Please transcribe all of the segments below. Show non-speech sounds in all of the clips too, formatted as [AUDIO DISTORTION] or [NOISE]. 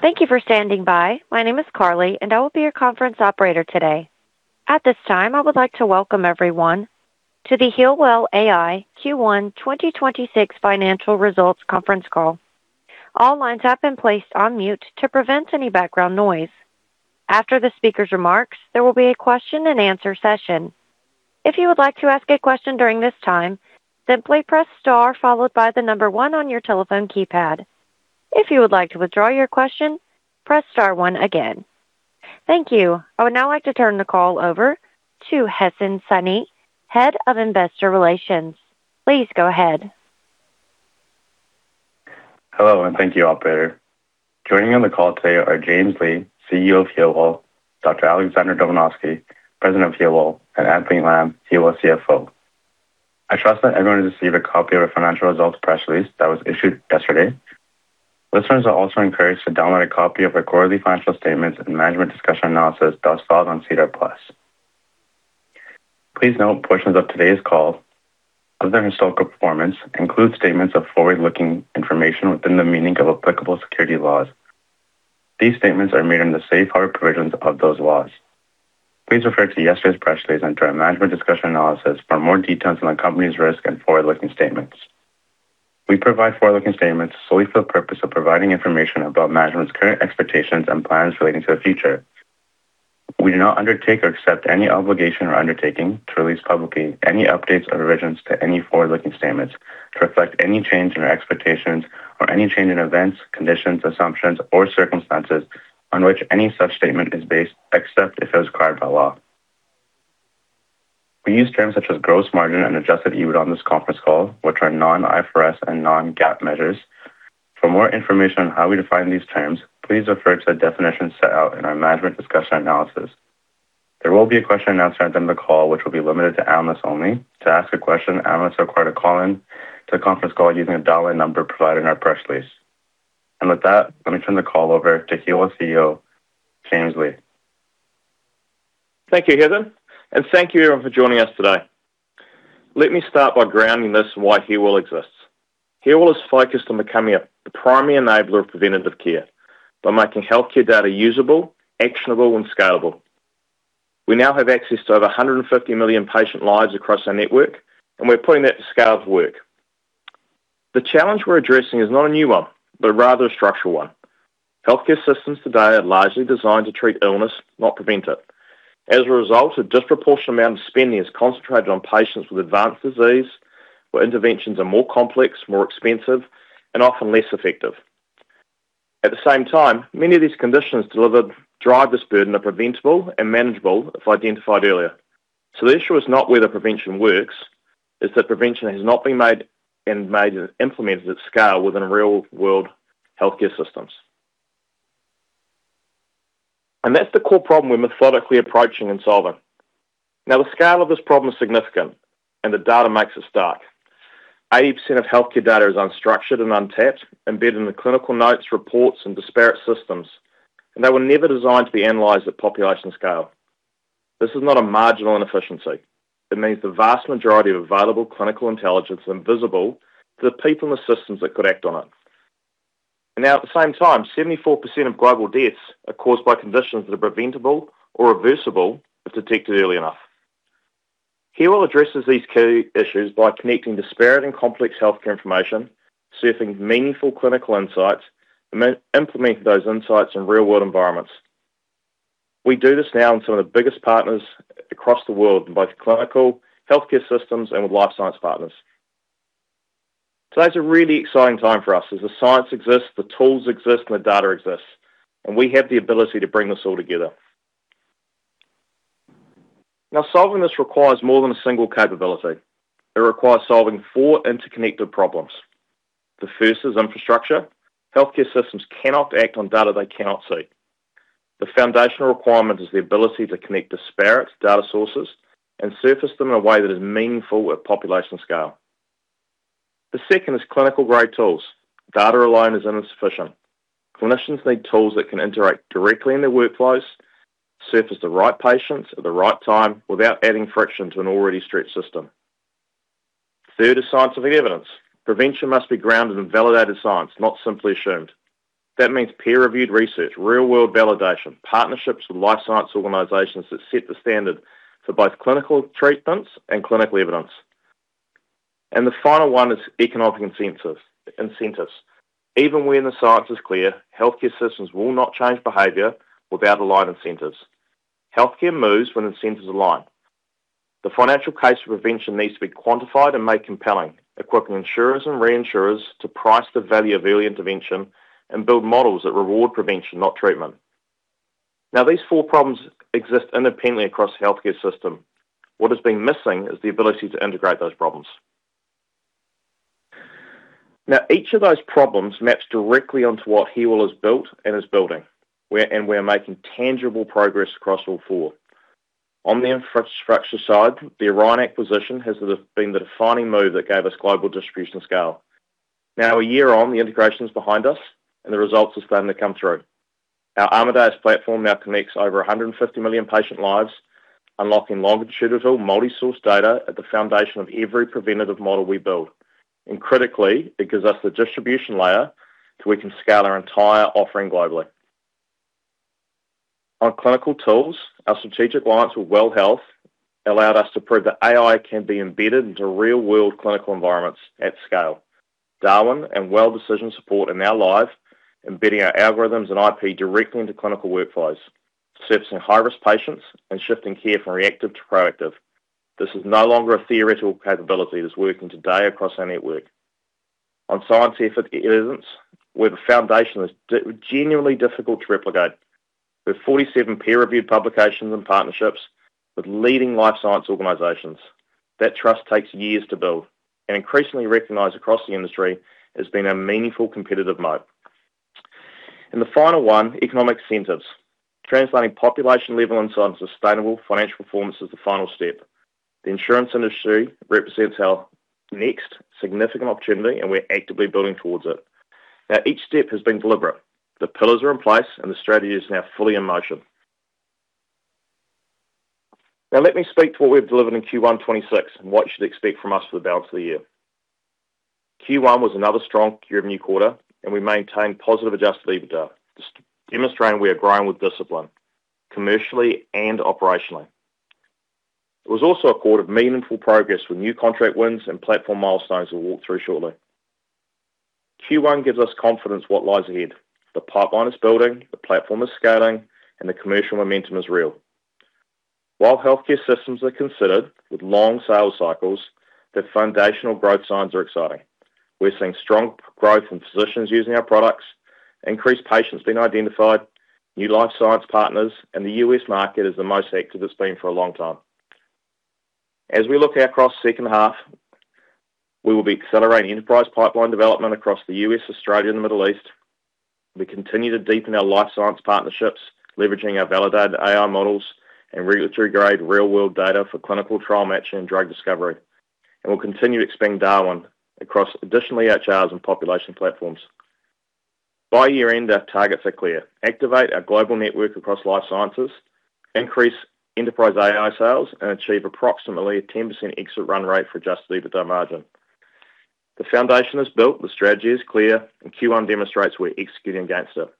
Thank you for standing by. My name is Carly, and I will be your conference operator today. At this time, I would like to welcome everyone to the HEALWELL AI Q1 2026 financial results conference call. All lines have been placed on mute to prevent any background noise. After the speaker's remarks, there will be a question-and-answer session. If you would like to ask a question during this time, simply press star followed by the number one on your telephone keypad. If you would like to withdraw your question, press star one again. Thank you. I would now like to turn the call over to [Hesson Sani], Head of Investor Relations. Please go ahead. Hello, and thank you, operator. Joining on the call today are James Lee, CEO of HEALWELL, Dr. Alexander Dobranowski, President of HEALWELL, and Anthony Lam, HEALWELL CFO. I trust that everyone has received a copy of the financial results press release that was issued yesterday. Listeners are also encouraged to download a copy of our quarterly financial statements and management discussion analysis that's filed on SEDAR+. Please note portions of today's call on the historical performance include statements of forward-looking information within the meaning of applicable security laws. These statements are made under the safe harbor provisions of those laws. Please refer to yesterday's press release and to our management discussion analysis for more details on the company's risk and forward-looking statements. We provide forward-looking statements solely for the purpose of providing information about management's current expectations and plans relating to the future. We do not undertake or accept any obligation or undertaking to release publicly any updates or revisions to any forward-looking statements to reflect any change in our expectations or any change in events, conditions, assumptions, or circumstances on which any such statement is based, except if it is required by law. We use terms such as gross margin and adjusted EBITDA on this conference call, which are non-IFRS and non-GAAP measures. For more information on how we define these terms, please refer to the definition set out in our management discussion analysis. There will be a question-and-answer at the end of the call, which will be limited to analysts only. To ask a question, analysts are required to call in to the conference call using a dial-in number provided in our press release. With that, let me turn the call over HEALWELL CEO, James Lee. Thank you, [Hesson], and thank you everyone for joining us today. Let me start by grounding this in why HEALWELL exists. HEALWELL is focused on becoming a primary enabler of preventative care by making healthcare data usable, actionable, and scalable. We now have access to over 150 million patient lives across our network, and we're putting that to scale of work. The challenge we're addressing is not a new one, but rather a structural one. Healthcare systems today are largely designed to treat illness, not prevent it. As a result, a disproportionate amount of spending is concentrated on patients with advanced disease, where interventions are more complex, more expensive, and often less effective. At the same time, many of these conditions that drive this burden are preventable and manageable if identified earlier. The issue is not whether prevention works, it's that prevention has not been made and implemented at scale within real-world healthcare systems. That's the core problem we're methodically approaching and solving. The scale of this problem is significant, and the data makes it stark. 80% of healthcare data is unstructured and untapped, embedded in the clinical notes, reports, and disparate systems, and they were never designed to be analyzed at population scale. This is not a marginal inefficiency. It means the vast majority of available clinical intelligence is invisible to the people in the systems that could act on it. At the same time, 74% of global deaths are caused by conditions that are preventable or reversible if detected early enough. HEALWELL addresses these key issues by connecting disparate and complex healthcare information, surfacing meaningful clinical insights, implementing those insights in real-world environments. We do this now in some of the biggest partners across the world, in both clinical healthcare systems and with life science partners. Today's a really exciting time for us, as the science exists, the tools exist, and the data exists, and we have the ability to bring this all together. Solving this requires more than a single capability. It requires solving four interconnected problems. The first is infrastructure. Healthcare systems cannot act on data they cannot see. The foundational requirement is the ability to connect disparate data sources and service them in a way that is meaningful at population scale. The second is clinical-grade tools. Data alone is insufficient. Clinicians need tools that can interact directly in their workflows, service the right patients at the right time without adding friction to an already stretched system. Third is scientific evidence. Prevention must be grounded in validated science, not simply assumed. That means peer-reviewed research, real-world validation, partnerships with life science organizations that set the standard for both clinical treatments and clinical evidence. The final one is economic incentives. Even when the science is clear, healthcare systems will not change behavior without aligned incentives. Healthcare moves when incentives align. The financial case for prevention needs to be quantified and made compelling, equipping insurers and reinsurers to price the value of early intervention and build models that reward prevention, not treatment. These four problems exist independently across the healthcare system. What has been missing is the ability to integrate those problems. Each of those problems maps directly onto what HEALWELL has built and is building. We're making tangible progress across all four. On the infrastructure side, the Orion acquisition has been the defining move that gave us global distribution scale. A year on, the integration is behind us, and the results are starting to come through. Our Amadeus platform now connects over 150 million patient lives. Unlocking longitudinal multi-source data at the foundation of every preventative model we build. Critically, it gives us the distribution layer so we can scale our entire offering globally. On clinical tools, our strategic alliance with WELL Health allowed us to prove that AI can be embedded into real-world clinical environments at scale. DARWEN and WELL Decision Support are now live, embedding our algorithms and IP directly into clinical workflows, servicing high-risk patients and shifting care from reactive to proactive. This is no longer a theoretical capability. It is working today across our network. On scienctifc evidence, where the foundation is genuinely difficult to replicate, with 47 peer-reviewed publications and partnerships with leading life science organizations. That trust takes years to build and increasingly recognized across the industry as being a meaningful competitive moat. In the final one, economic incentives. Translating population level insights into sustainable financial performance is the final step. The insurance industry represents our next significant opportunity, and we're actively building towards it. Each step has been deliberate. The pillars are in place, and the strategy is now fully in motion. Let me speak to what we've delivered in Q1 2026 and what you should expect from us for the balance of the year. Q1 was another strong revenue quarter, and we maintained positive adjusted EBITDA, just demonstrating we are growing with discipline commercially and operationally. It was also a quarter of meaningful progress with new contract wins and platform milestones we'll walk through shortly. Q1 gives us confidence what lies ahead. The pipeline is building, the platform is scaling, and the commercial momentum is real. While healthcare systems are considered with long sales cycles, the foundational growth signs are exciting. We're seeing strong growth in physicians using our products, increased patients being identified, new life science partners, and the U.S. market is the most active it's been for a long time. As we look out across second half, we will be accelerating enterprise pipeline development across the U.S., Australia, and the Middle East. We continue to deepen our life science partnerships, leveraging our validated AI models and regulatory-grade real-world data for clinical trial matching and drug discovery. We'll continue to expand DARWEN across additional EHRs and population platforms. By year-end, our targets are clear: activate our global network across life sciences, increase enterprise AI sales, and achieve approximately a 10% exit run rate for adjusted EBITDA margin. The foundation is built, the strategy is clear, and Q1 demonstrates we're executing against it.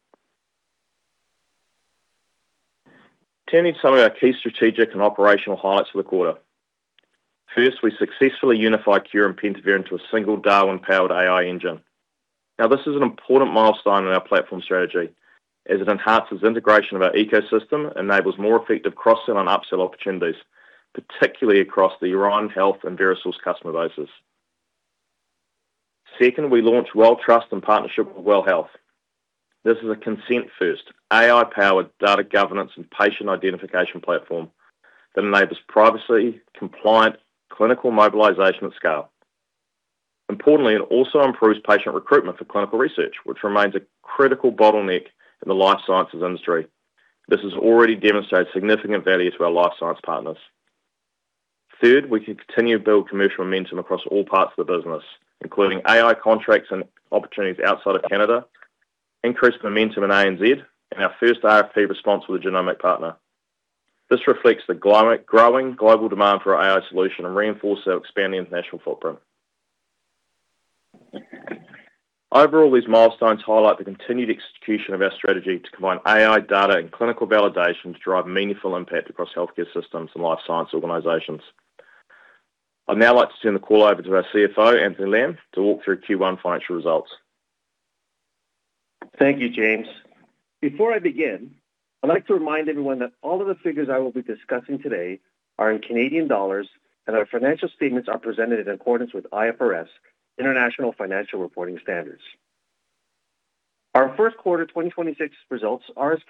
Turning to some of our key strategic and operational highlights for the quarter. First, we successfully unified Khure and Pentavere into a single DARWEN-powered AI engine. This is an important milestone in our platform strategy as it enhances integration of our ecosystem, enables more effective cross-sell and upsell opportunities, particularly across the Orion Health and VeroSource customer bases. Second, we launched WELLTRUST in partnership with WELL Health. This is a consent-first, AI-powered data governance and patient identification platform that enables privacy-compliant clinical mobilization at scale. Importantly, it also improves patient recruitment for clinical research, which remains a critical bottleneck in the life sciences industry. This has already demonstrated significant value to our life science partners. Third, we can continue to build commercial momentum across all parts of the business, including AI contracts and opportunities outside of Canada, increased momentum in ANZ, and our first RFP response with a genomic partner. This reflects the growing global demand for our AI solution and reinforces our expanding international footprint. Overall, these milestones highlight the continued execution of our strategy to combine AI data and clinical validation to drive meaningful impact across healthcare systems and life science organizations. I'd now like to turn the call over to our CFO, Anthony Lam, to walk through Q1 financial results. Thank you, James. Before I begin, I'd like to remind everyone that all of the figures I will be discussing today are in Canadian dollars, and our financial statements are presented in accordance with IFRS, International Financial Reporting Standards. Our first quarter 2026 results are as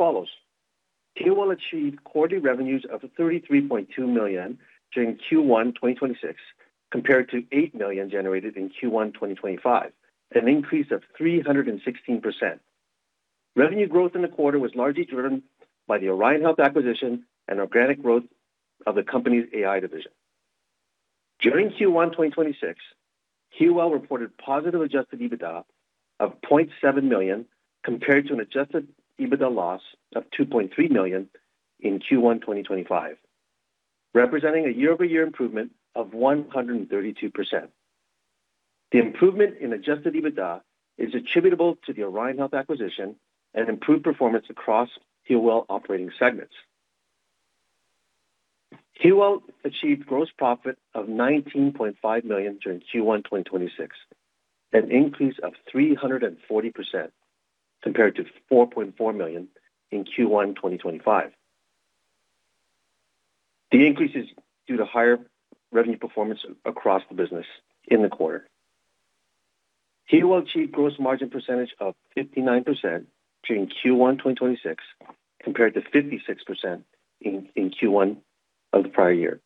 HEALWELL achieved quarterly revenues of 33.2 million during Q1 2026 compared to 8 million generated in Q1 2025, an increase of 316%. Revenue growth in the quarter was largely driven by the Orion Health acquisition and organic growth of the company's AI division. During Q1 2026, HEALWELL reported positive adjusted EBITDA of 0.7 million compared to an adjusted EBITDA loss of 2.3 million in Q1 2025, representing a year-over-year improvement of 132%. The improvement in adjusted EBITDA is attributable to the Orion Health acquisition and improved performance HEALWELL operating segments. HEALWELL achieved gross profit of 19.5 million during Q1 2026, an increase of 340% compared to 4.4 million in Q1 2025. The increase is due to higher revenue performance across the business in the quarter. HEALWELL achieved gross margin percentage of 59% during Q1 2026 compared to 56% in Q1 of the prior.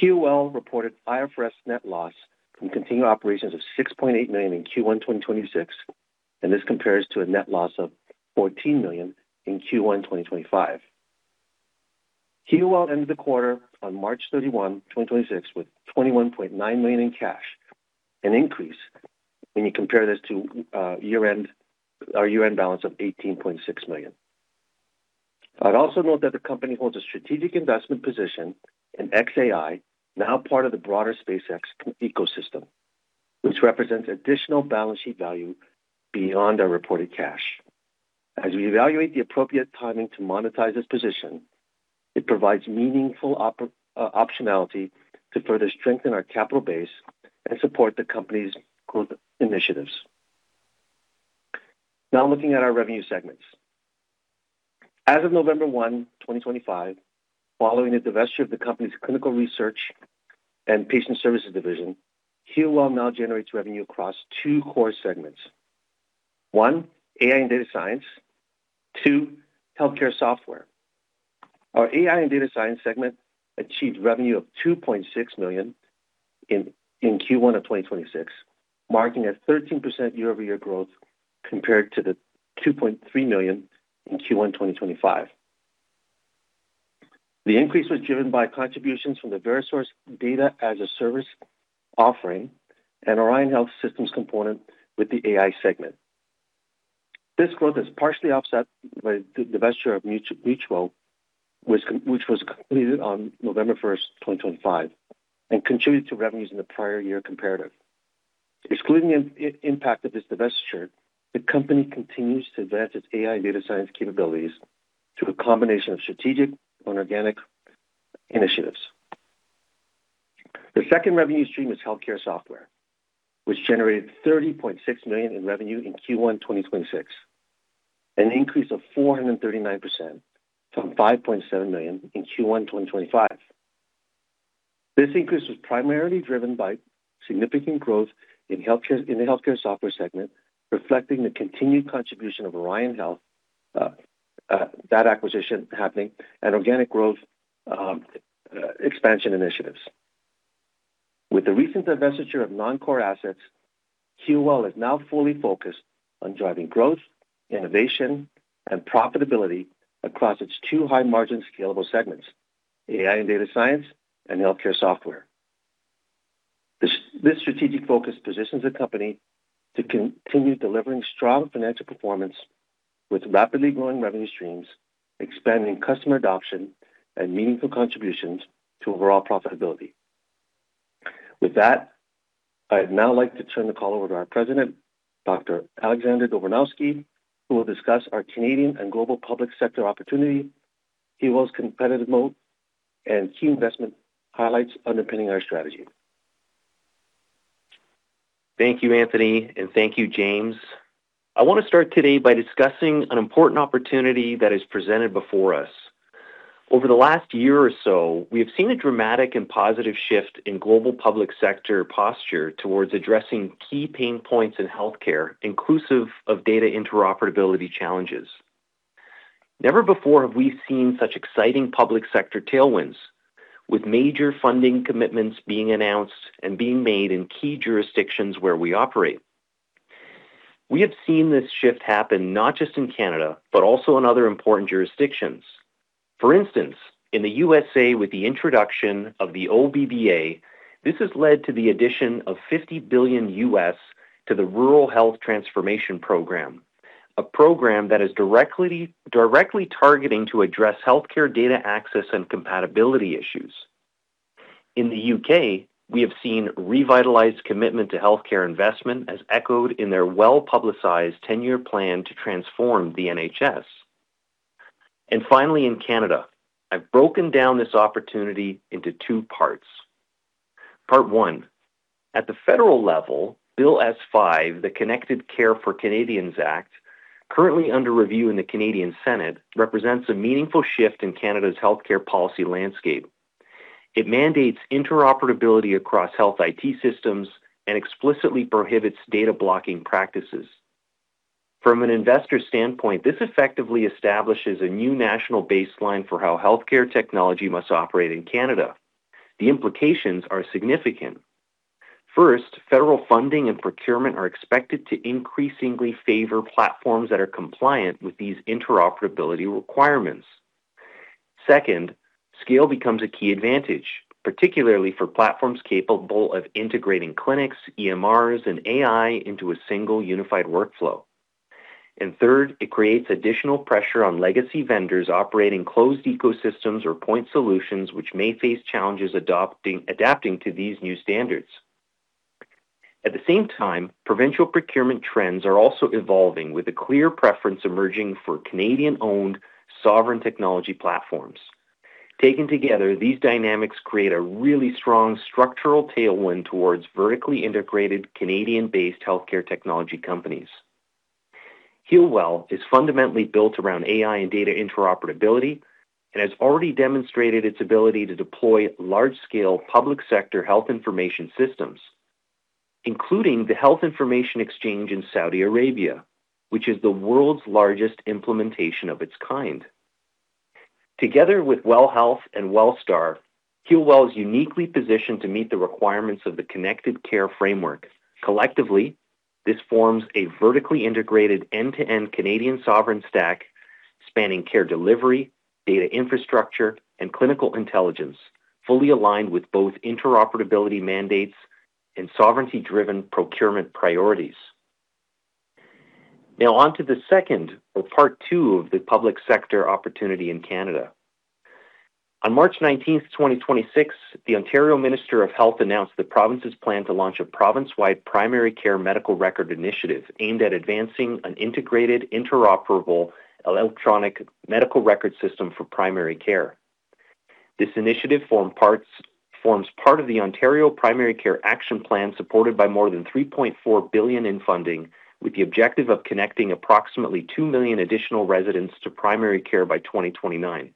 HEALWELL reported IFRS net loss from continued operations of 6.8 million in Q1 2026. This compares to a net loss of 14 million in Q1 2025. HEALWELL ended the quarter on March 31, 2026, with 21.9 million in cash. An increase when you compare this to year-end, our year-end balance of 18.6 million. I'd also note that the company holds a strategic investment position in xAI, now part of the broader SpaceX ecosystem, which represents additional balance sheet value beyond our reported cash. As we evaluate the appropriate timing to monetize this position, it provides meaningful optionality to further strengthen our capital base and support the company's growth initiatives. Now looking at our revenue segments. As of November 1, 2025, following the divestiture of the company's Clinical Research and Patient Services Division, HEALWELL now generates revenue across two core segments. 1, AI and Data Science. 2, Healthcare Software. Our AI and Data Science segment achieved revenue of 2.6 million in Q1 of 2026, marking a 13% year-over-year growth compared to 2.3 million in Q1, 2025. The increase was driven by contributions from the VeroSource Data-as-a-Service offering and Orion Health component with the AI segment. This growth is partially offset by the divestiture of Mutuo, which was completed on November 1st, 2025, and contributed to revenues in the prior year comparative. Excluding impact of this divestiture, the company continues to advance its AI data science capabilities through a combination of strategic and organic initiatives. The second revenue stream is Healthcare Software, which generated 30.6 million in revenue in Q1 2026, an increase of 439% from 5.7 million in Q1 2025. This increase was primarily driven by significant growth in healthcare, in the Healthcare Software segment, reflecting the continued contribution of Orion Health, that acquisition happening and organic growth, expansion initiatives. With the recent divestiture of non-core assets, HEALWELL is now fully focused on driving growth, innovation, and profitability across its two high-margin scalable segments, AI and Data Science and Healthcare Software. This strategic focus positions the company to continue delivering strong financial performance with rapidly growing revenue streams, expanding customer adoption, and meaningful contributions to overall profitability. With that, I'd now like to turn the call over to our President, Dr. Alexander Dobranowski, who will discuss our Canadian and global public sector opportunity, HEALWELL's competitive moat, and key investment highlights underpinning our strategy. Thank you, Anthony, and thank you, James. I wanna start today by discussing an important opportunity that is presented before us. Over the last year or so, we have seen a dramatic and positive shift in global public sector posture towards addressing key pain points in healthcare, inclusive of data interoperability challenges. Never before have we seen such exciting public sector tailwinds, with major funding commitments being announced and being made in key jurisdictions where we operate. We have seen this shift happen not just in Canada, but also in other important jurisdictions. For instance, in the U.S. with the introduction of the OBBBA, this has led to the addition of $50 billion to the Rural Health Transformation Program, a program that is directly targeting to address healthcare data access and compatibility issues. In the U.K., we have seen revitalized commitment to healthcare investment, as echoed in their well-publicized 10-year plan to transform the NHS. Finally, in Canada, I've broken down this opportunity into two parts. Part one: At the federal level, Bill S-5, the Connected Care for Canadians Act, currently under review in the Senate of Canada, represents a meaningful shift in Canada's healthcare policy landscape. It mandates interoperability across health IT systems and explicitly prohibits data blocking practices. From an investor standpoint, this effectively establishes a new national baseline for how healthcare technology must operate in Canada. The implications are significant. First, federal funding and procurement are expected to increasingly favor platforms that are compliant with these interoperability requirements. Second, scale becomes a key advantage, particularly for platforms capable of integrating clinics, EMRs, and AI into a single unified workflow. Third, it creates additional pressure on legacy vendors operating closed ecosystems or point solutions which may face challenges adapting to these new standards. At the same time, provincial procurement trends are also evolving, with a clear preference emerging for Canadian-owned sovereign technology platforms. Taken together, these dynamics create a really strong structural tailwind towards vertically integrated Canadian-based healthcare technology companies. HEALWELL is fundamentally built around AI and data interoperability and has already demonstrated its ability to deploy large-scale public sector Health Information Systems, including the Health Information Exchange in Saudi Arabia, which is the world's largest implementation of its kind. Together with WELL Health and WELLSTAR, HEALWELL is uniquely positioned to meet the requirements of the Connected Care framework. Collectively, this forms a vertically integrated end-to-end Canadian sovereign stack, spanning care delivery, data infrastructure, and clinical intelligence, fully aligned with both interoperability mandates and sovereignty-driven procurement priorities. Now on to the second or part two of the public sector opportunity in Canada. On March 19th, 2026, the Ontario Minister of Health announced the province's plan to launch a province-wide primary care medical record initiative aimed at advancing an integrated interoperable electronic medical record system for primary care. This initiative forms part of the Ontario Primary Care Action Plan, supported by more than 3.4 billion in funding, with the objective of connecting approximately 2 million additional residents to primary care by 2029.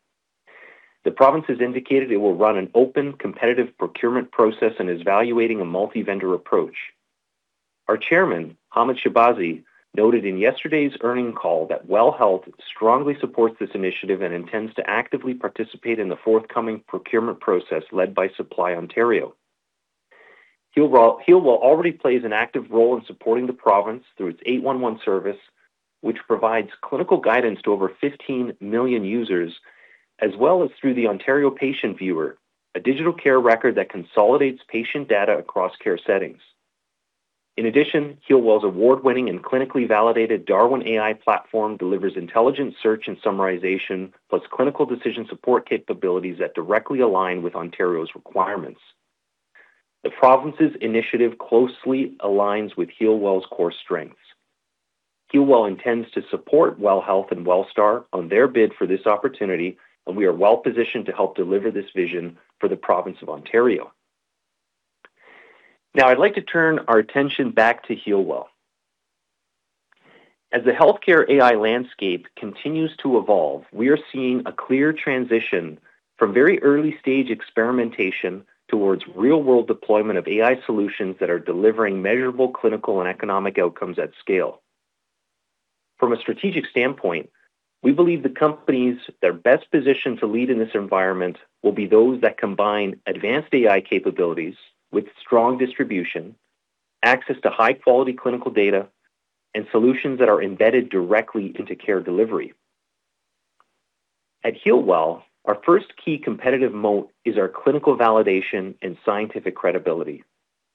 The province has indicated it will run an open competitive procurement process and is evaluating a multi-vendor approach. Our Chairman, Hamid Shahbazi, noted in yesterday's earnings call that WELL Health strongly supports this initiative and intends to actively participate in the forthcoming procurement process led by Supply Ontario. HEALWELL already plays an active role in supporting the province through its 811 service, which provides clinical guidance to over 15 million users, as well as through the Ontario Patient Viewer, a digital care record that consolidates patient data across care settings. In addition, HEALWELL's award-winning and clinically validated DARWEN AI platform delivers intelligent search and summarization, plus clinical decision support capabilities that directly align with Ontario's requirements. The province's initiative closely aligns with HEALWELL's core strengths. HEALWELL intends to support WELL Health and WELLSTAR on their bid for this opportunity, and we are well-positioned to help deliver this vision for the province of Ontario. I'd like to turn our attention back to HEALWELL. As the healthcare AI landscape continues to evolve, we are seeing a clear transition from very early-stage experimentation towards real-world deployment of AI solutions that are delivering measurable clinical and economic outcomes at scale. From a strategic standpoint, we believe the companies that are best positioned to lead in this environment will be those that combine advanced AI capabilities with strong distribution, access to high-quality clinical data, and solutions that are embedded directly into care delivery. At HEALWELL, our first key competitive moat is our clinical validation and scientific credibility.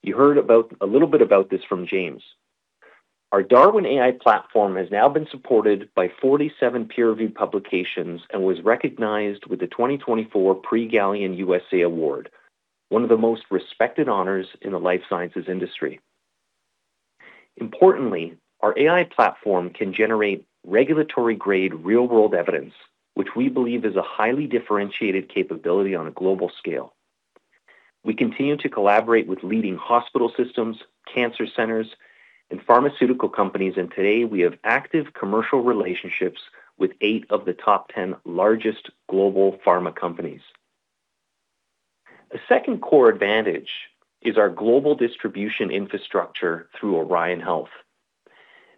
You heard a little bit about this from James. Our DARWEN AI platform has now been supported by 47 peer-reviewed publications and was recognized with the 2024 Prix Galien USA Award, one of the most respected honors in the life sciences industry. Importantly, our AI platform can generate regulatory-grade real-world evidence, which we believe is a highly differentiated capability on a global scale. We continue to collaborate with leading hospital systems, cancer centers, and pharmaceutical companies. Today, we have active commercial relationships with eight of the top 10 largest global pharma companies. The second core advantage is our global distribution infrastructure through Orion Health.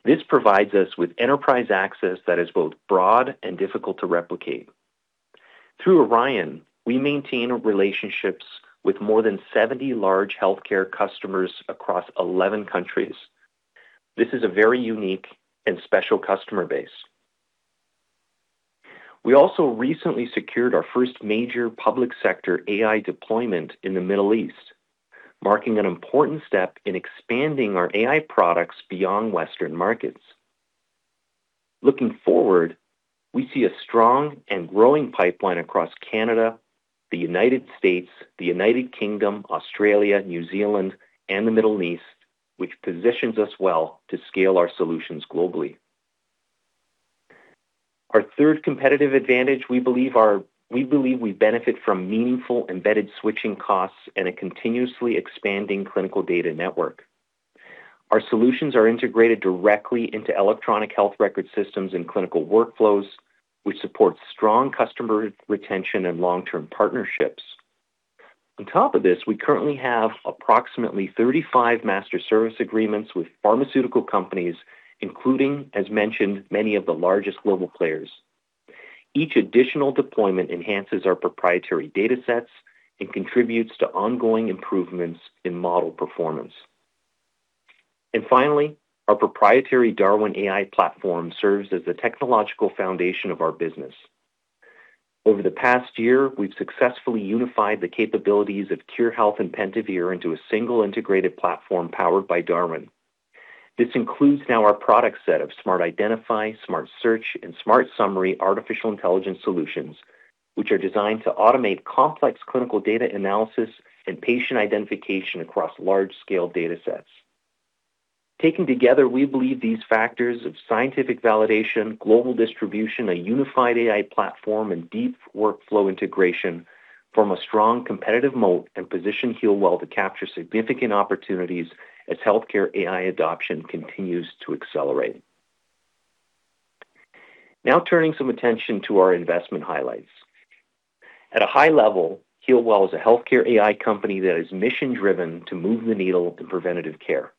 This provides us with enterprise access that is both broad and difficult to replicate. Through Orion, we maintain relationships with more than 70 large healthcare customers across 11 countries. This is a very unique and special customer base. We also recently secured our first major public sector AI deployment in the Middle East, marking an important step in expanding our AI products beyond Western markets. Looking forward, we see a strong and growing pipeline across Canada, the United States, the United Kingdom, Australia, New Zealand, and the Middle East, which positions us well to scale our solutions globally. Our third competitive advantage we believe we benefit from meaningful embedded switching costs and a continuously expanding clinical data network. Our solutions are integrated directly into electronic health record systems and clinical workflows, which support strong customer retention and long-term partnerships. On top of this, we currently have approximately 35 master service agreements with pharmaceutical companies, including, as mentioned, many of the largest global players. Each additional deployment enhances our proprietary datasets and contributes to ongoing improvements in model performance. Finally, our proprietary DARWEN AI platform serves as the technological foundation of our business. Over the past year, we've successfully unified the capabilities of Khure Health and Pentavere into a single integrated platform powered by DARWEN. This includes now our product set of SMART Identify, SMART Search, and SMART Summary artificial intelligence solutions, which are designed to automate complex clinical data analysis and patient identification across large-scale datasets. Taking together, we believe these factors of scientific validation, global distribution, a unified AI platform, and deep workflow integration form a strong competitive moat and position HEALWELL to capture significant opportunities as healthcare AI adoption continues to accelerate. Now turning some attention to our investment highlights. At a high level, HEALWELL is a healthcare AI company that is mission-driven to move the needle in preventative care.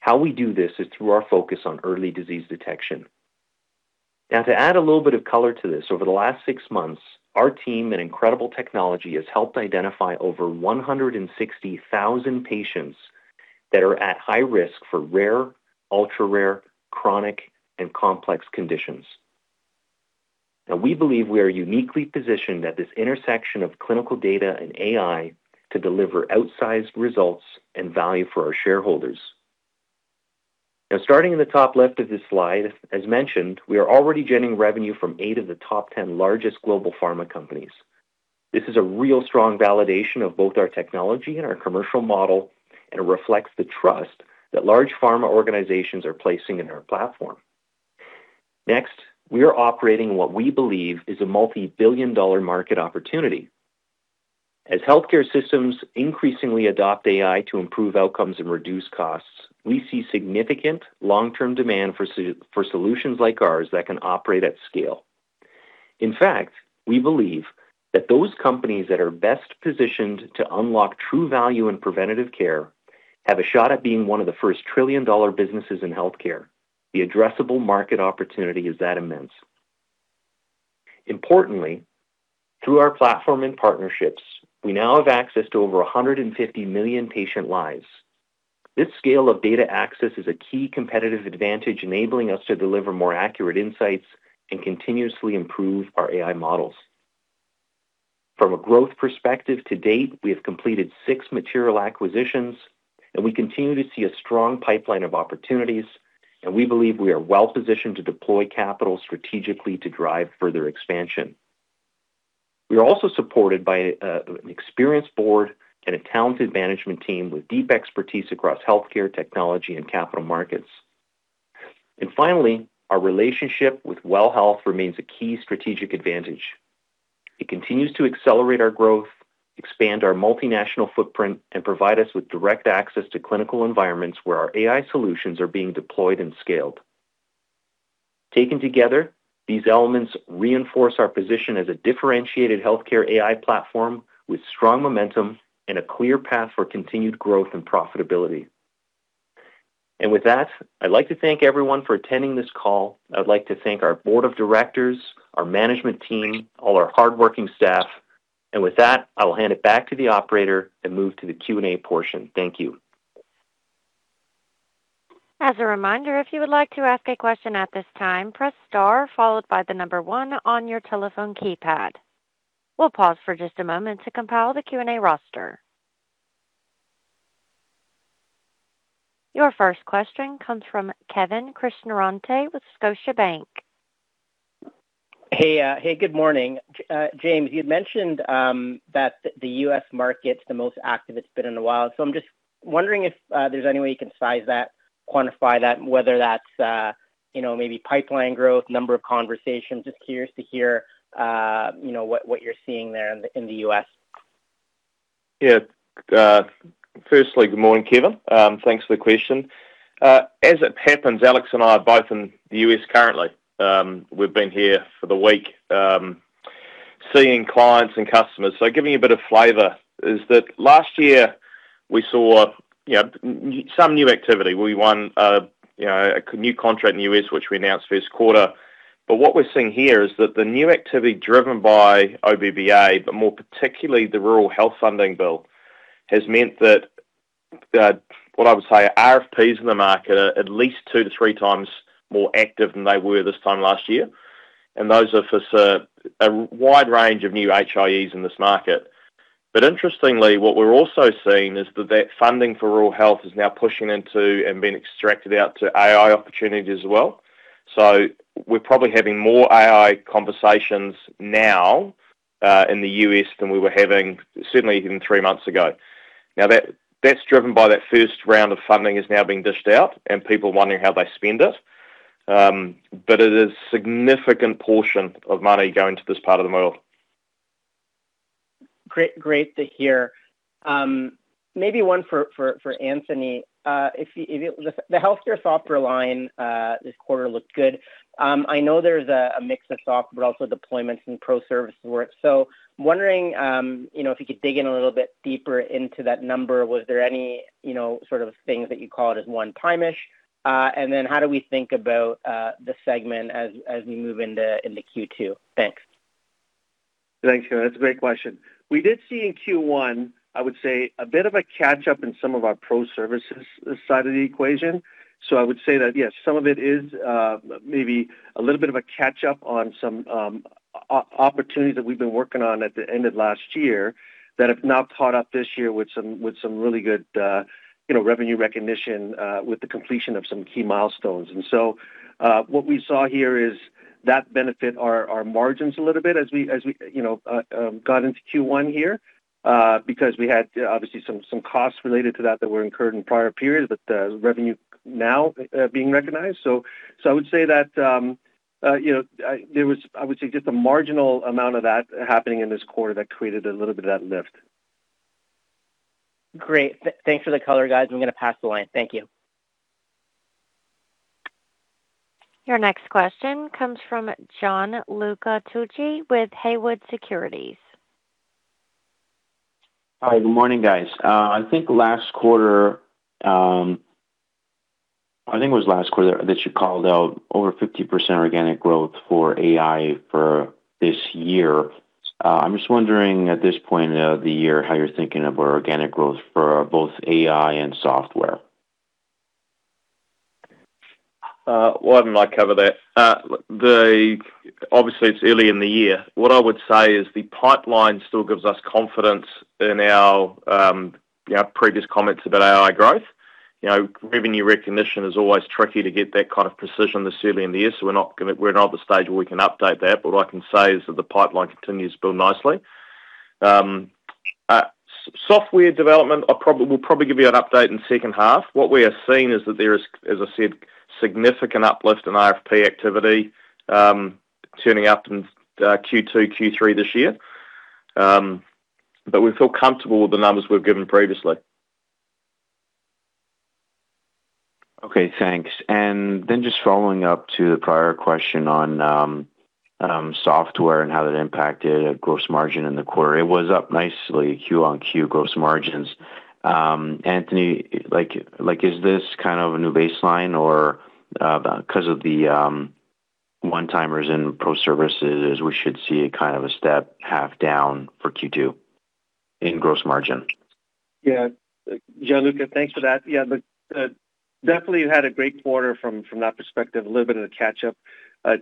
How we do this is through our focus on early disease detection. To add a little bit of color to this, over the last six months, our team and incredible technology has helped identify over 160,000 patients that are at high risk for rare, ultra-rare, chronic, and complex conditions. We believe we are uniquely positioned at this intersection of clinical data and AI to deliver outsized results and value for our shareholders. Starting in the top left of this slide, as mentioned, we are already generating revenue from eight of the top 10 largest global pharma companies. This is a real strong validation of both our technology and our commercial model, and it reflects the trust that large pharma organizations are placing in our platform. Next, we are operating what we believe is a multi-billion dollar market opportunity. As healthcare systems increasingly adopt AI to improve outcomes and reduce costs, we see significant long-term demand for solutions like ours that can operate at scale. Infact, we believe that those companies that are best positioned to unlock true value in preventative care have a shot at being one of the first trillion-dollar businesses in healthcare. The addressable market opportunity is that immense. Importantly, through our platform and partnerships, we now have access to over 150 million patient lives. This scale of data access is a key competitive advantage, enabling us to deliver more accurate insights and continuously improve our AI models. From a growth perspective to date, we have completed six material acquisitions, and we continue to see a strong pipeline of opportunities, and we believe we are well-positioned to deploy capital strategically to drive further expansion. We are also supported by an experienced board and a talented management team with deep expertise across healthcare, technology, and capital markets. Finally, our relationship with WELL Health remains a key strategic advantage. It continues to accelerate our growth, expand our multinational footprint, and provide us with direct access to clinical environments where our AI solutions are being deployed and scaled. Taken together, these elements reinforce our position as a differentiated healthcare AI platform with strong momentum and a clear path for continued growth and profitability. With that, I'd like to thank everyone for attending this call. I'd like to thank our Board of Directors, our management team, all our hardworking staff. With that, I will hand it back to the operator and move to the Q&A portion. Thank you. As a reminder, if you would like to ask a question at this time, press star followed by the one on your telephone keypad. We'll pause for just a moment to compile the Q&A roster. Your first question comes from Kevin Krishnaratne with Scotiabank. Hey, good morning. James, you had mentioned that the U.S. market's the most active it's been in a while. I'm just wondering if there's any way you can size that, quantify that, whether that's, you know, maybe pipeline growth, number of conversations. Just curious to hear, you know, what you're seeing there in the U.S. Yeah. Firstly, good morning, Kevin. Thanks for the question. As it happens, Alex and I are both in the U.S. currently. We've been here for the week, seeing clients and customers. Giving you a bit of flavor is that last year we saw, you know, some new activity. We won, you know, a new contract in the U.S., which we announced first quarter. What we're seeing here is that the new activity driven by OBBBA, but more particularly the Rural Health Funding Bill, has meant that what I would say RFPs in the market are at least two, three times more active than they were this time last year. Those are for a wide range of new HIEs in this market. Interestingly, what we're also seeing is that that funding for rural health is now pushing into and being extracted out to AI opportunities as well. We're probably having more AI conversations now, in the U.S. than we were having certainly even three months ago. That's driven by that first round of funding is now being dished out and people wondering how they spend it. It is significant portion of money going to this part of the model. Great, great to hear. maybe one for Anthony. The Healthcare Software line, this quarter looked good. I know there's a mix of software, but also deployments and pro service work. I'm wondering, you know, if you could dig in a little bit deeper into that number. Was there any, you know, sort of things that you call it as one-time-ish? How do we think about the segment as we move into Q2? Thanks. Thanks, Kevin. That's a great question. We did see in Q1, I would say, a bit of a catch-up in some of our pro services side of the equation. I would say that, yes, some of it is maybe a little bit of a catch-up on some opportunities that we've been working on at the end of last year that have now caught up this year with some, with some really good, you know, revenue recognition with the completion of some key milestones. What we saw here is that benefit our margins a little bit as we, as we, you know, got into Q1 here, because we had obviously some costs related to that that were incurred in prior periods, but revenue now being recognized. would say that, you know, there was, I would say, just a marginal amount of that happening in this quarter that created a little bit of that lift. Great. Thanks for the color, guys. I'm gonna pass the line. Thank you. Your next question comes from Gianluca Tucci with Haywood Securities. Hi. Good morning, guys. I think last quarter, I think it was last quarter that you called out over 50% organic growth for AI for this year. I'm just wondering at this point of the year, how you're thinking of our organic growth for both AI and software? Why don't I cover that? Obviously, it's early in the year. What I would say is the pipeline still gives us confidence in our, you know, previous comments about AI growth. You know, revenue recognition is always tricky to get that kind of precision this early in the year, so we're not at the stage where we can update that. What I can say is that the pipeline continues to build nicely. Software development, we'll probably give you an update in second half. What we are seeing is that there is, as I said, significant uplift in RFP activity, turning up in Q2, Q3 this year. We feel comfortable with the numbers we've given previously. Okay. Thanks. Just following up to the prior question on software and how that impacted our gross margin in the quarter. It was up nicely, Q-on-Q gross margins. Anthony, like, is this kind of a new baseline or 'cause of the one-timers in pro services, we should see a kind of a step half down for Q2 in gross margin? Gianluca, thanks for that. Look, definitely had a great quarter from that perspective, a little bit of a catch-up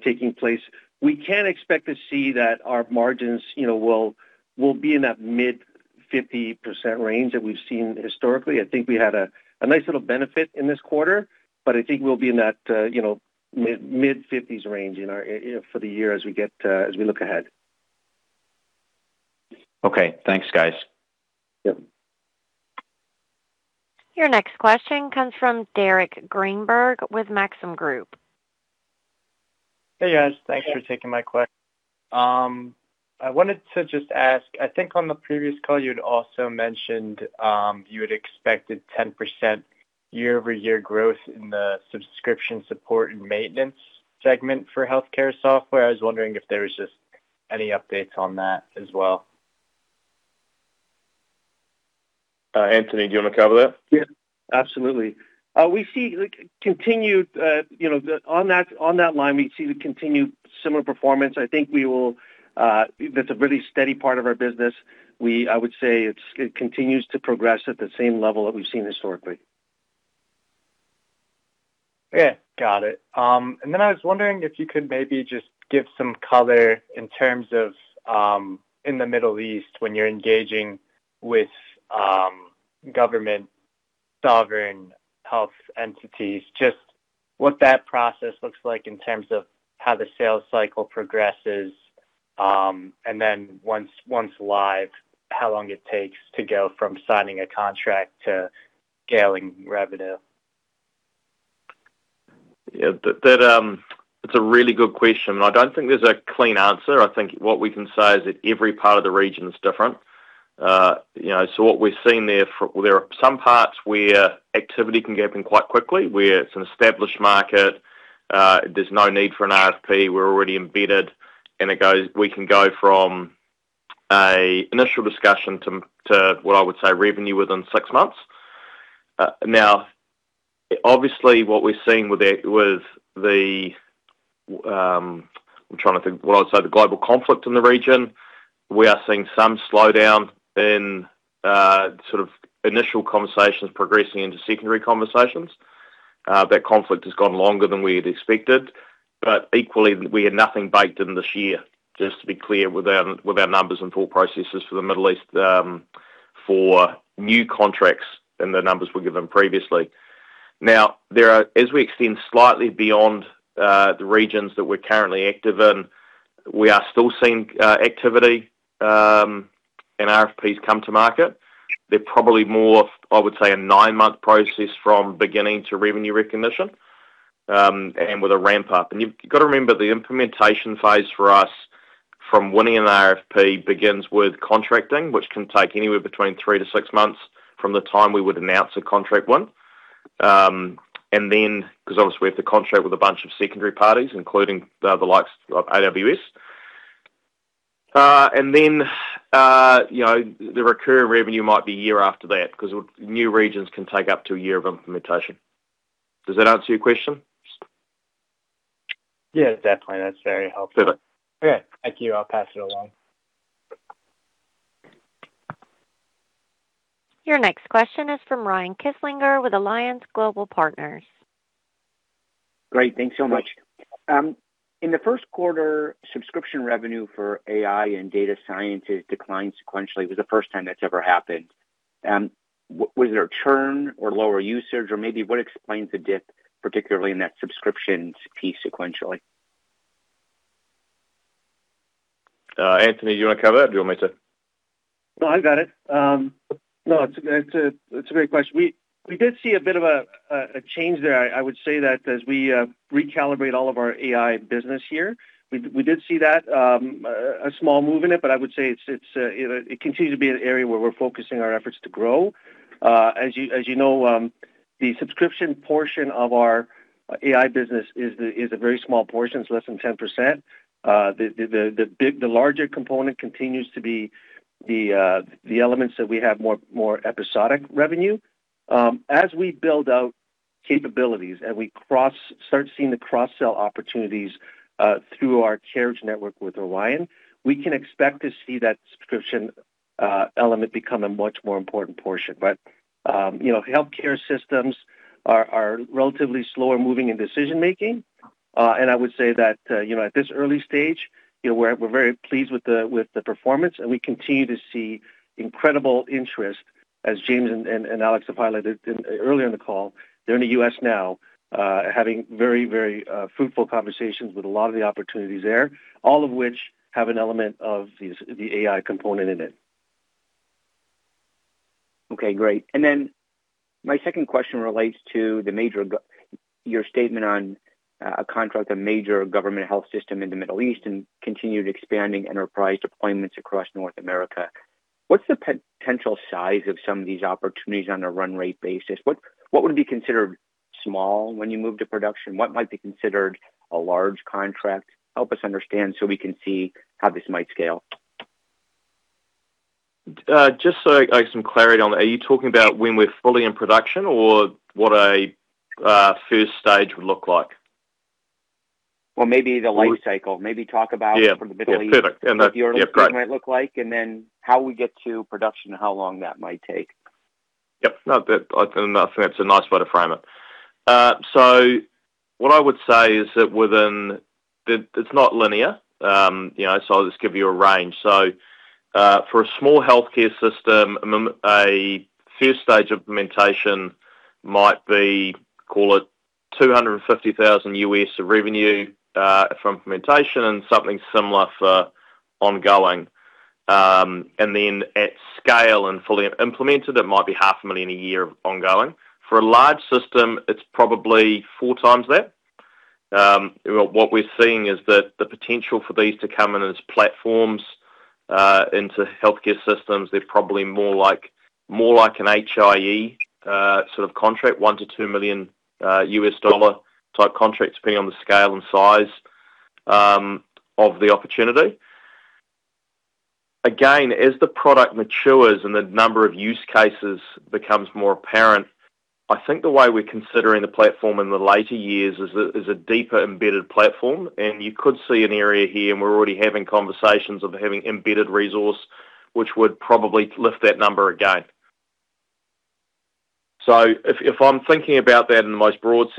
taking place. We can expect to see that our margins, you know, will be in that mid 50% range that we've seen historically. I think we had a nice little benefit in this quarter, but I think we'll be in that, you know, mid-50%s range, you know, for the year as we get as we look ahead. Okay. Thanks, guys. Yep. Your next question comes from Derek Greenberg with Maxim Group. Hey, guys. Thanks for taking my question. I wanted to just ask, I think on the previous call, you'd also mentioned, you had expected 10% year-over-year growth in the subscription support and maintenance segment for Healthcare Software. I was wondering if there was just any updates on that as well. Anthony, do you wanna cover that? Yeah. Absolutely. We see, like, continued, you know, on that line, we see the continued similar performance. I think we will. That's a really steady part of our business. I would say it continues to progress at the same level that we've seen historically. Yeah. Got it. I was wondering if you could maybe just give some color in terms of, in the Middle East when you're engaging with, government sovereign health entities, just what that process looks like in terms of how the sales cycle progresses. Once live, how long it takes to go from signing a contract to scaling revenue. Yeah. That, it's a really good question. I don't think there's a clean answer. I think what we can say is that every part of the region is different. You know, so what we're seeing there are some parts where activity can happen quite quickly, where it's an established market, there's no need for an RFP, we're already embedded, and we can go from a initial discussion to, what I would say, revenue within six months. Now obviously what we're seeing with the, I'm trying to think, well, I'd say the global conflict in the region. We are seeing some slowdown in, sort of initial conversations progressing into secondary conversations. That conflict has gone longer than we had expected. Equally, we have nothing baked in this year, just to be clear, with our numbers and thought processes for the Middle East, for new contracts than the numbers we've given previously. There are as we extend slightly beyond the regions that we're currently active in, we are still seeing activity and RFPs come to market. They're probably more, I would say, a nine-month process from beginning to revenue recognition and with a ramp-up. You've gotta remember the implementation phase for us from winning an RFP begins with contracting, which can take anywhere between three to six months from the time we would announce a contract win. Then, 'cause obviously we have to contract with a bunch of secondary parties, including the likes of AWS. You know, the recurring revenue might be a year after that 'cause new regions can take up to a year of implementation. Does that answer your question? Yeah, definitely. That's very helpful. Perfect. Okay. Thank you. I'll pass it along. Your next question is from Brian Kinstlinger with Alliance Global Partners. Great. Thanks so much. In the first quarter, subscription revenue for AI and Data Sciences declined sequentially. It was the first time that's ever happened. Was there a churn or lower usage or maybe what explains the dip, particularly in that subscriptions piece sequentially? Anthony, do you wanna cover it? Do you want me to? No, I've got it. No, it's a great question. We did see a bit of a change there. I would say that as we recalibrate all of our AI business here, we did see that a small move in it, but I would say it's, you know, it continues to be an area where we're focusing our efforts to grow. As you know, the subscription portion of our AI business is a very small portion, it's less than 10%. The larger component continues to be the elements that we have more episodic revenue. As we build out capabilities and we start seeing the cross-sell opportunities, through our carriage network with Orion, we can expect to see that subscription element become a much more important portion. You know, healthcare systems are relatively slower moving in decision-making. And I would say that, you know, at this early stage, you know, we're very pleased with the performance, and we continue to see incredible interest, as James and Alex have highlighted earlier in the call. They're in the U.S. now, having very fruitful conversations with a lot of the opportunities there, all of which have an element of these, the AI component in it. Okay, great. My second question relates to the major your statement on a contract, a major government health system in the Middle East and continued expanding enterprise deployments across North America. What's the potential size of some of these opportunities on a run-rate basis? What would be considered small when you move to production? What might be considered a large contract? Help us understand so we can see how this might scale. Some clarity on that. Are you talking about when we're fully in production or what a first stage would look like? Well, maybe the life cycle- Yeah. ...for the Middle East. Yeah. Perfect. What the order set might look like, and then how we get to production and how long that might take. No, that, I think that's a nice way to frame it. What I would say is that within the It's not linear, you know, I'll just give you a range. For a small healthcare system, a first stage implementation might be, call it $250,000 of revenue, for implementation and something similar for ongoing. Then at scale and fully implemented, it might be $500,000 a year of ongoing. For a large system, it's probably four times that. What we're seeing is that the potential for these to come in as platforms, into healthcare systems, they're probably more like, more like an HIE sort of contract, $1 million-$2 million type contract, depending on the scale and size of the opportunity. Again, as the product matures and the number of use cases becomes more apparent, I think the way we're considering the platform in the later years is a deeper embedded platform. You could see an area here, and we're already having conversations of having embedded resource, which would probably lift that number again. If I'm thinking about that in the most broad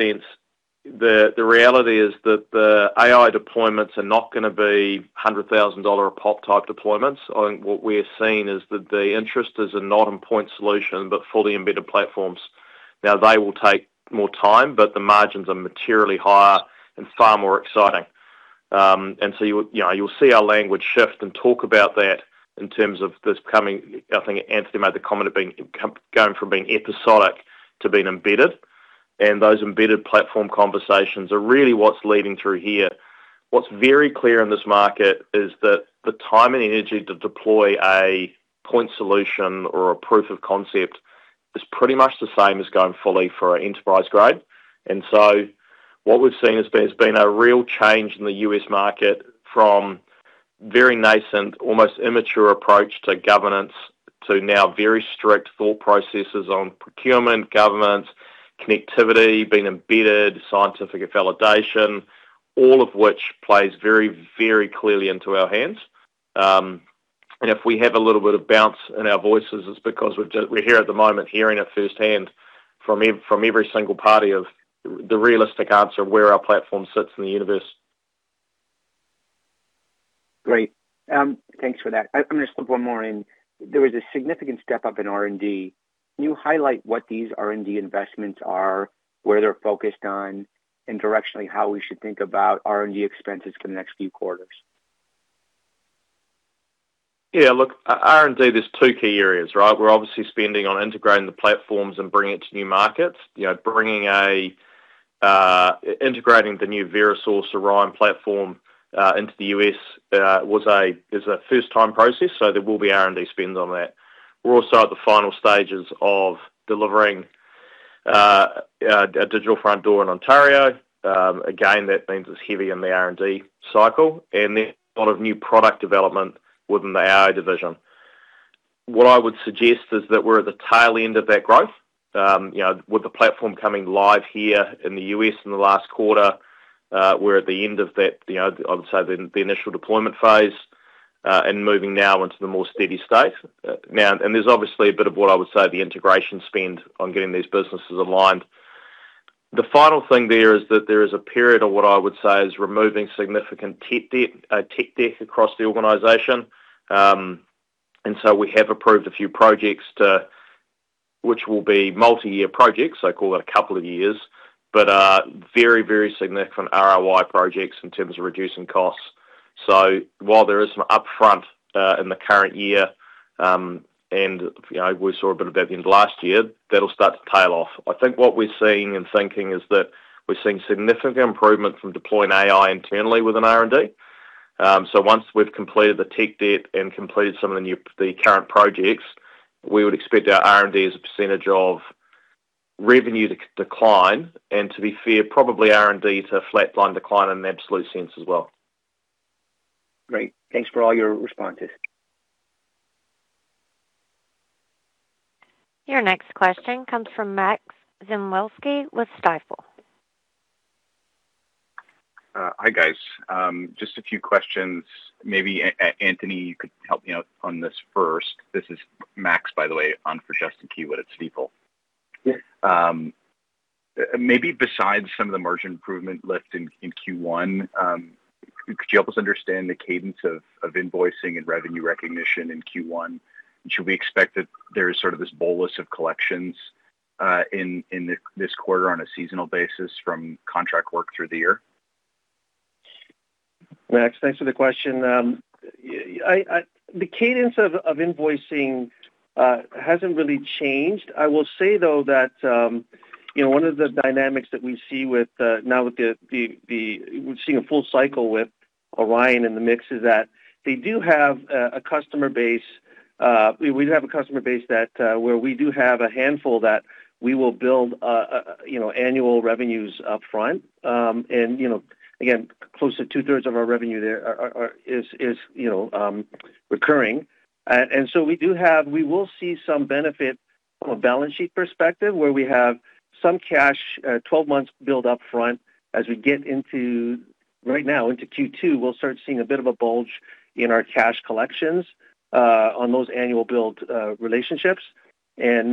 sense, the reality is that the AI deployments are not gonna be 100,000 dollar a pop type deployments. What we are seeing is that the interest is a not on point solution, but fully embedded platforms. They will take more time, but the margins are materially higher and far more exciting. You know, you'll see our language shift and talk about that in terms of this coming. I think Anthony made the comment of going from being episodic to being embedded. Those embedded platform conversations are really what's leading through here. What's very clear in this market is that the time and energy to deploy a point solution or a proof of concept is pretty much the same as going fully for enterprise grade. What we've seen has been a real change in the U.S. market from very nascent, almost immature approach to governance, to now very strict thought processes on procurement, governance, connectivity, being embedded, scientific validation, all of which plays very, very clearly into our hands. If we have a little bit of bounce in our voices, it's because we're here at the moment hearing it firsthand from every single party of the realistic answer of where our platform sits in the universe. Great. Thanks for that. I'm gonna slip one more in. There was a significant step up in R&D. Can you highlight what these R&D investments are, where they're focused on, and directionally, how we should think about R&D expenses for the next few quarters? Look, R&D, there's two key areas, right? We're obviously spending on integrating the platforms and bringing it to new markets. You know, bringing integrating the new VeroSource-Orion platform into the U.S. is a first-time process, so there will be R&D spend on that. We're also at the final stages of delivering a digital front door in Ontario. Again, that means it's heavy in the R&D cycle and then a lot of new product development within the AI division. What I would suggest is that we're at the tail end of that growth. You know, with the platform coming live here in the U.S. in the last quarter, we're at the end of that, you know, I would say the initial deployment phase and moving now into the more steady state. There's obviously a bit of what I would say the integration spend on getting these businesses aligned. The final thing there is that there is a period of what I would say is removing significant tech debt across the organization. We have approved a few projects which will be multi-year projects, so call it a couple of years. Very, very significant ROI projects in terms of reducing costs. While there is an upfront, in the current year, and, you know, we saw a bit of that the end of last year, that'll start to tail off. I think what we're seeing and thinking is that we're seeing significant improvement from deploying AI internally within R&D. Once we've completed the tech debt and completed some of the current projects, we would expect our R&D as a percentage of revenue to decline and to be fair, probably R&D to flatline decline in an absolute sense as well. Great. Thanks for all your responses. Your next question comes from Max Czmielewski with Stifel. Hi, guys. Just a few questions. Maybe, Anthony, you could help me out on this first. This is Max, by the way, on for Justin Keywood at Stifel. Yeah. Maybe besides some of the margin improvement lift in Q1, could you help us understand the cadence of invoicing and revenue recognition in Q1? Should we expect that there is sort of this bolus of collections in this quarter on a seasonal basis from contract work through the year? Max, thanks for the question. The cadence of invoicing hasn't really changed. I will say, though, that, you know, one of the dynamics that we see with we've seen a full cycle with Orion in the mix is that they do have a customer base. We have a customer base that where we do have a handful that we will build, you know, annual revenues up front. You know, again, close to 2/3 of our revenue there is, you know, recurring. We will see some benefit from a balance sheet perspective, where we have some cash, 12 months build up front. As we get into, right now, into Q2, we'll start seeing a bit of a bulge in our cash collections on those annual build relationships. It'll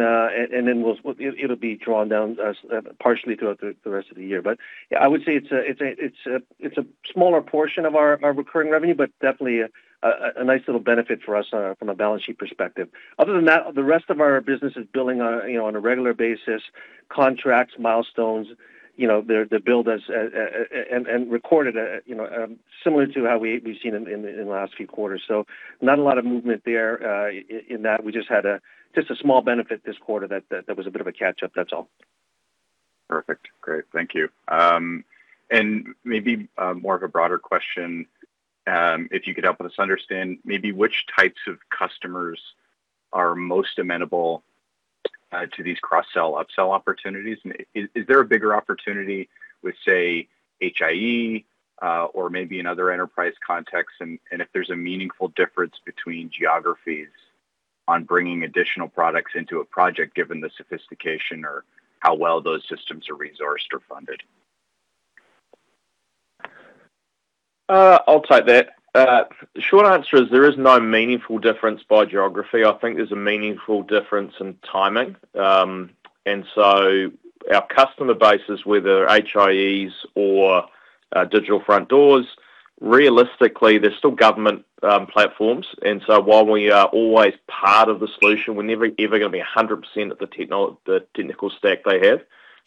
be drawn down as partially throughout the rest of the year. Yeah, I would say it's a smaller portion of our recurring revenue, but definitely a nice little benefit for us from a balance sheet perspective. Other than that, the rest of our business is billing on a, you know, on a regular basis, contracts, milestones, you know, they build as and recorded, you know, similar to how we've seen them in the last few quarters. Not a lot of movement there in that. We just had just a small benefit this quarter that was a bit of a catch-up, that's all. Perfect. Great. Thank you. Maybe, more of a broader question, if you could help us understand maybe which types of customers are most amenable to these cross-sell, upsell opportunities? Is there a bigger opportunity with, say, HIE, or maybe in other enterprise contexts? If there's a meaningful difference between geographies on bringing additional products into a project, given the sophistication or how well those systems are resourced or funded? I'll take that. Short answer is there is no meaningful difference by geography. I think there's a meaningful difference in timing. Our customer bases, whether HIEs or digital front doors, realistically, they're still government platforms. While we are always part of the solution, we're never ever gonna be a 100% of the technical stack they have.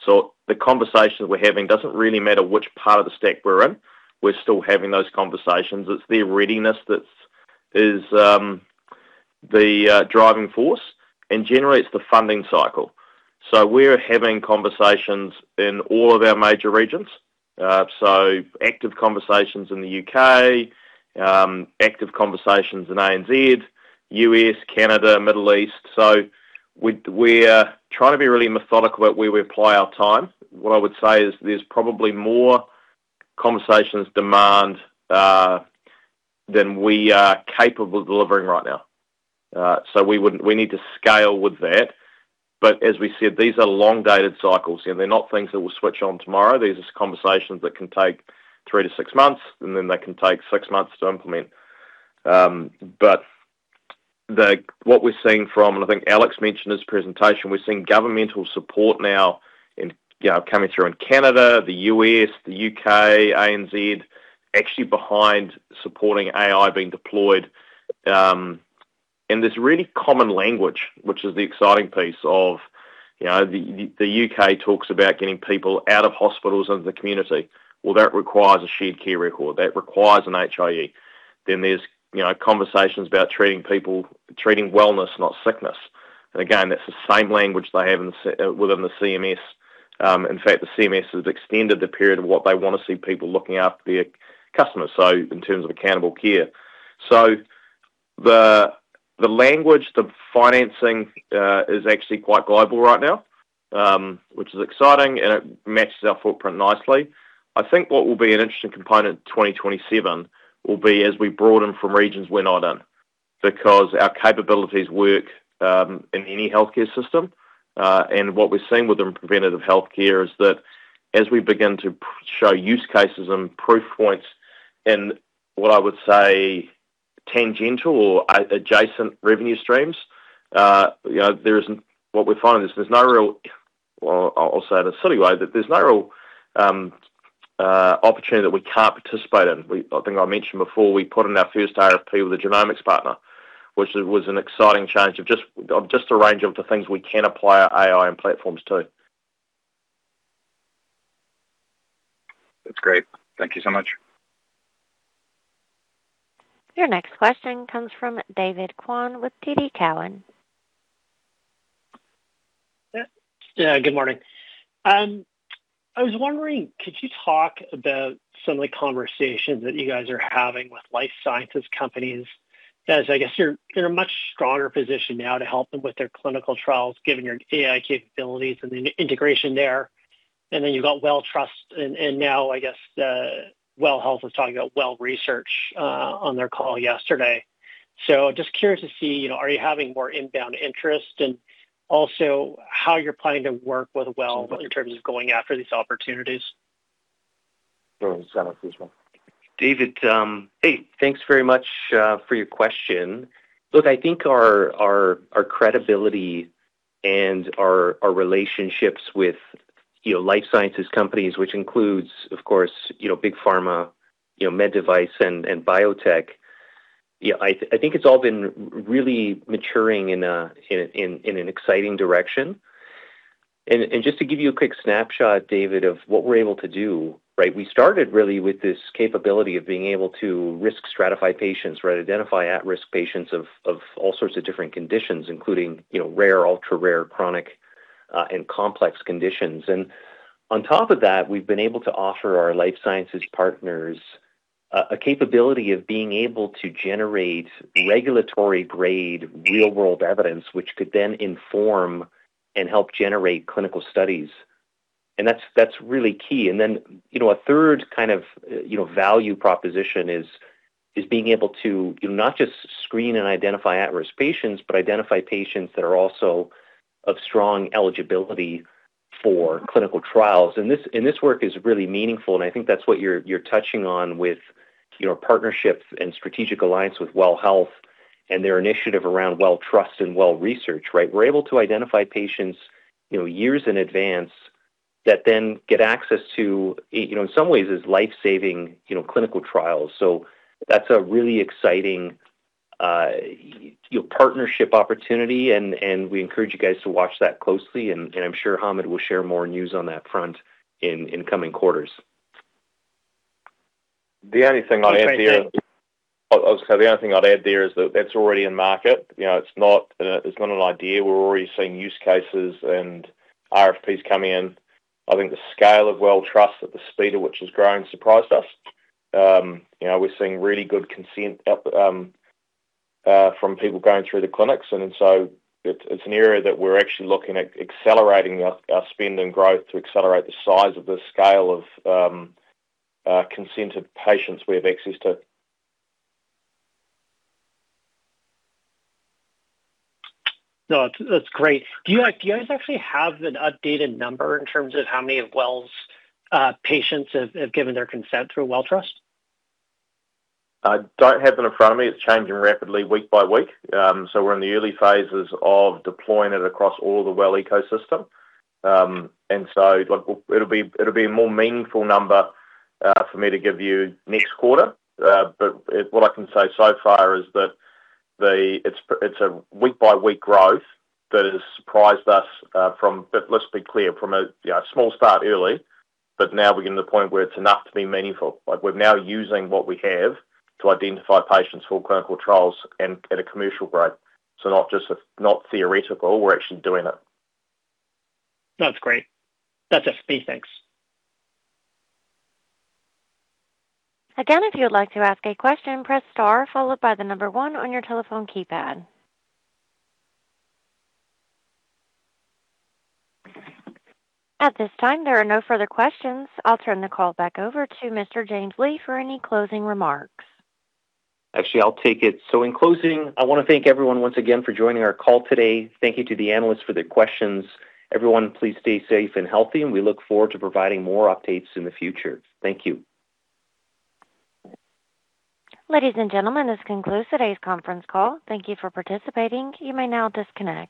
The conversations we're having, doesn't really matter which part of the stack we're in, we're still having those conversations. It's their readiness that's the driving force, and generally, it's the funding cycle. We're having conversations in all of our major regions. Active conversations in the U.K., active conversations in ANZ, U.S., Canada, Middle East. We're trying to be really methodical at where we apply our time. What I would say is there's probably more conversations demand than we are capable of delivering right now. We need to scale with that. As we said, these are long-dated cycles. You know, they're not things that will switch on tomorrow. These are conversations that can take three to six months, and then they can take six months to implement. What we're seeing from, and I think Alex mentioned this presentation, we're seeing governmental support now in, you know, coming through in Canada, the U.S., the U.K., ANZ, actually behind supporting AI being deployed. There's really common language, which is the exciting piece of, you know, the U.K. talks about getting people out of hospitals into the community. Well, that requires a shared care record. That requires an HIE. There's, you know, conversations about treating people, treating wellness, not sickness. Again, that's the same language they have within the CMS. In fact, the CMS has extended the period of what they wanna see people looking after their customers, so in terms of accountable care. The language, the financing, is actually quite global right now, which is exciting, and it matches our footprint nicely. I think what will be an interesting component in 2027 will be as we broaden from regions we're not in. Our capabilities work in any healthcare system. What we're seeing with the preventative healthcare is that as we begin to show use cases and proof points in what I would say tangential or adjacent revenue streams, you know, what we're finding is there's no real, well, I'll say it a silly way, that there's no real opportunity that we can't participate in. I think I mentioned before, we put in our first RFP with a genomics partner, which was an exciting change of just the range of the things we can apply our AI and platforms to. That's great. Thank you so much. Your next question comes from David Kwan with TD Cowen. Yeah. Yeah, good morning. I was wondering, could you talk about some of the conversations that you guys are having with life sciences companies as, I guess, you're in a much stronger position now to help them with their clinical trials, given your AI capabilities and the integration there? You've got WELLTRUST and now I guess, WELL Health was talking about WELL Research on their call yesterday. Just curious to see, you know, are you having more inbound interest, and also how you're planning to work with Well in terms of going after these opportunities? [AUDIO DISTORTION] David, hey, thanks very much for your question. Look, I think our credibility and our relationships with, you know, life sciences companies, which includes, of course, you know, big pharma, you know, med device and biotech. Yeah, I think it's all been really maturing in an exciting direction. Just to give you a quick snapshot, David, of what we're able to do, right? We started really with this capability of being able to risk stratify patients, right? Identify at-risk patients of all sorts of different conditions, including, you know, rare, ultra-rare, chronic, and complex conditions. On top of that, we've been able to offer our life sciences partners a capability of being able to generate regulatory grade real-world evidence, which could then inform and help generate clinical studies. That's really key. Then, you know, 1/3 kind of, you know, value proposition is being able to not just screen and identify at-risk patients, but identify patients that are also of strong eligibility for clinical trials. This work is really meaningful, and I think that's what you're touching on with, you know, partnerships and strategic alliance with WELL Health and their initiative around WELLTRUST and WELL Research, right? We're able to identify patients, you know, years in advance that then get access to, you know, in some ways is life-saving, you know, clinical trials. That's a really exciting, you know, partnership opportunity. We encourage you guys to watch that closely. I'm sure Hamid will share more news on that front in coming quarters. The only thing I'd add there. Do you think- I'll say the only thing I'd add there is that that's already in market. You know, it's not, it's not an idea. We're already seeing use cases and RFPs coming in. I think the scale of WELLTRUST at the speed at which it's grown surprised us. You know, we're seeing really good consent up from people going through the clinics. It's an area that we're actually looking at accelerating our spend and growth to accelerate the size of the scale of consented patients we have access to. No, that's great. Do you guys actually have an updated number in terms of how many of WELL's patients have given their consent through WELLTRUST? I don't have it in front of me. It's changing rapidly week-by-week. We're in the early phases of deploying it across all of the WELL ecosystem. Like, it'll be, it'll be a more meaningful number for me to give you next quarter. What I can say so far is that it's a week-by-week growth that has surprised us. Let's be clear from a, you know, small start early, now we're getting to the point where it's enough to be meaningful. Like, we're now using what we have to identify patients for clinical trials and at a commercial grade. Not just not theoretical. We're actually doing it. That's great. That's it for me. Thanks. Again, if you would like to ask a question, press star followed by the number one on your telephone keypad. At this time, there are no further questions. I'll turn the call back over to Mr. James Lee for any closing remarks. Actually, I'll take it. In closing, I wanna thank everyone once again for joining our call today. Thank you to the analysts for their questions. Everyone, please stay safe and healthy, and we look forward to providing more updates in the future. Thank you. Ladies and gentlemen, this concludes today's conference call. Thank you for participating. You may now disconnect.